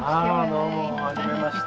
どうもはじめまして。